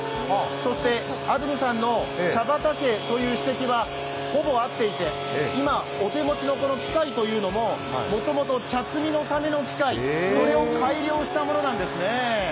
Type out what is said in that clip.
そして安住さんの茶畑という指摘は、ほぼ合っていて、今、お手持ちの機械というのももともと茶摘みのための機械、それを改良したものなんですね。